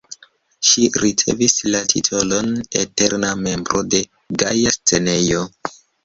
Ŝi ricevis la titolon "eterna membro" de Gaja Scenejo.